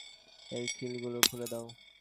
এর খিলগুলো খুলে দাও!